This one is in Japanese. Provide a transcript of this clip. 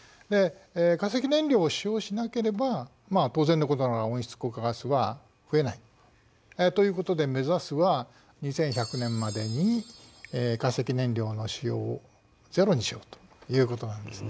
化石燃料を使用しなければ当然のことながら温室効果ガスは増えない。ということで目指すは２１００年までに化石燃料の使用を０にしようということなんですね。